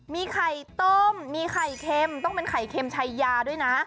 มีไข่ต้มมีไข่เค็มต้องเป็นไข่เค็มชัยยาด้วยนะ